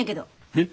えっ。